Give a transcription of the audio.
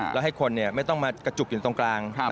แล้วให้คนไม่ต้องมากระจุกอยู่ตรงกลาง